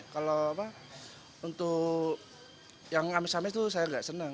kalau apa untuk yang amis amis itu saya tidak senang